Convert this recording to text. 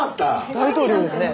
大統領ですね。